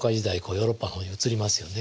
ヨーロッパの方に移りますよね。